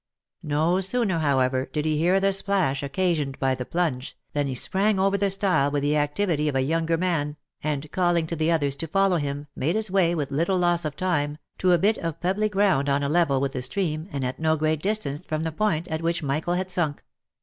No sooner, however, did he hear the splash occasioned by the plunge, than he sprang over the style with the activity of a younger man, and calling to the others to follow him, made his way with little loss of time, to a bit of pebbly ground on a level with the stream, and at no great distance from the point at which Michael had sunk.